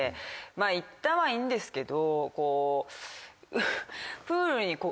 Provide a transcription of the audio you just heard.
行ったはいいんですけど。